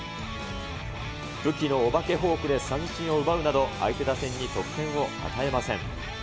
武器のお化けフォークで三振を奪うなど、相手打線に得点を与えません。